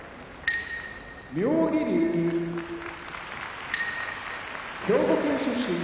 妙義龍兵庫県出身